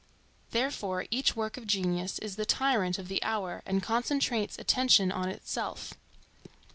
Therefore each work of genius is the tyrant of the hour and concentrates attention on itself.